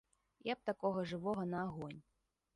Я б такога жывога на агонь.